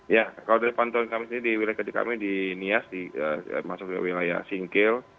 ya kalau dari pantauan kami di wilayah kedikami di nias masuk ke wilayah singkil